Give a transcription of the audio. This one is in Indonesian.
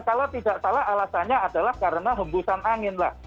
kalau tidak salah alasannya adalah karena hembusan angin lah